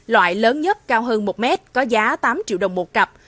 loại lớn nhất cao hơn một mét có giá tám triệu đồng một cặp